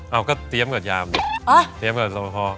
เอาก็เตี๊ยมกับยามเตี๊ยมกับสมพพอธ์